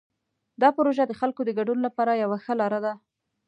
دا پروژه د خلکو د ګډون لپاره یوه ښه لاره ده.